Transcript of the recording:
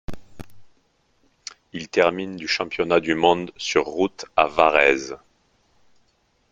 Il termine du championnat du monde sur route à Varèse.